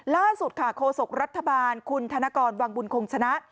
ล่าสุดค่ะโคศกรัฐบาลคุณธนกรวังบุญคงชนะ